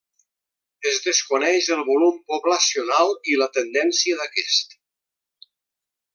Es desconeix el volum poblacional i la tendència d'aquest.